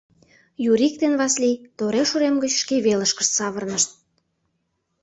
Юрик ден Васлий тореш урем гыч шке велышкышт савырнышт.